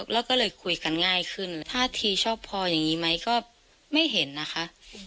แล้วก็เลยคุยกันง่ายขึ้นท่าทีชอบพออย่างนี้ไหมก็ไม่เห็นนะคะ